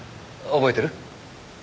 覚えてる？